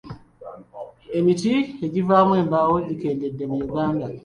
Emiti egivaamu embaawo gikendedde mu Uganda.